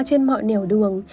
trên mọi nẻo đường